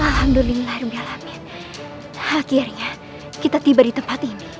alhamdulillahirrahmanirrahim akhirnya kita tiba di tempat ini